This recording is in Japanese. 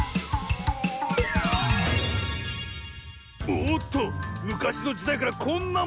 おっとむかしのじだいからこんなものが！